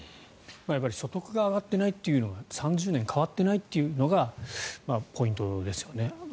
所得が上がっていないというのが３０年変わっていないというのがポイントですよね。